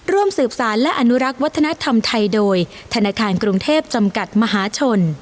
ร่วมสืบสารและอนุรักษ์วัฒนธรรมไทยโดยธนาคารกรุงเทพจำกัดมหาชน